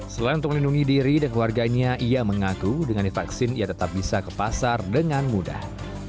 selain untuk melindungi diri dan keluarganya ia mengaku dengan divaksin ia tetap bisa ke pasar dengan mudah